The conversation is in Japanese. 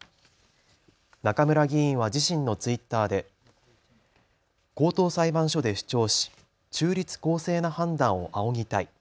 中村議員は自身のツイッターで高等裁判所で主張し中立公正な判断を仰ぎたい。